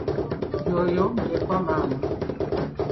Y'oyo mulekwa maama.